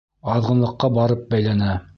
Аҙғынлыҡҡа барып бәйләнә.